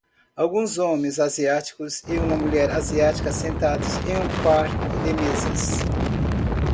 Alguns homens asiáticos e uma mulher asiática sentado em um par de mesas.